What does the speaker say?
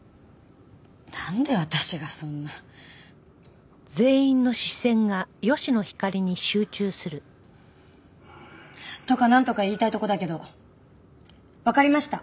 なんで私がそんな。とかなんとか言いたいとこだけどわかりました。